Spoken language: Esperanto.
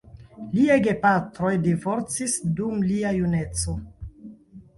Liaj gepatroj divorcis dum lia juneco.